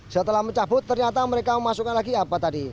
setelah mencabut ternyata mereka memasukkan lagi apa tadi